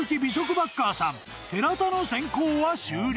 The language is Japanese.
バッカーさん寺田の選考は終了］